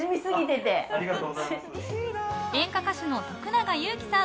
演歌歌手の徳永ゆうきさん。